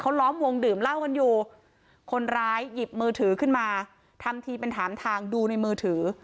ล้อมวงดื่มเหล้ากันอยู่คนร้ายหยิบมือถือขึ้นมาทำทีเป็นถามทางดูในมือถือ